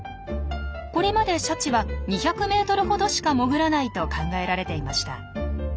これまでシャチは２００ｍほどしか潜らないと考えられていました。